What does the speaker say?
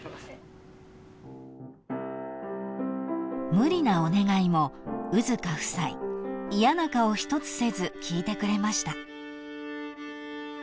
［無理なお願いも兎束夫妻嫌な顔一つせず聞いてくれました］